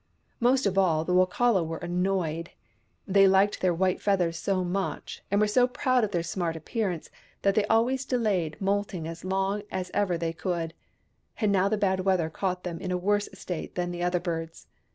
Most of all, the Wokala were annoyed. They liked their white feathers so much, and were so proud of their smart appearance, that they always delayed moulting as long as ever they could ; and now the bad weather caught them in a worse state than the other birds.